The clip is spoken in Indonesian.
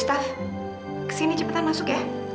terima kasih mbak